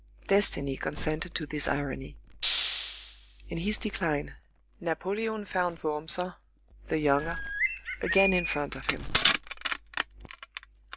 Destiny consented to this irony. In his decline, Napoleon found Wurmser, the younger, again in front of him.